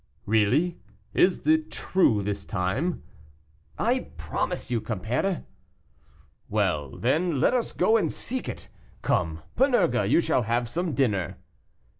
"Really, is it true this time?" "I promise you, compère." "Well, then, let us go and seek it. Come, Panurge, you shall have some dinner."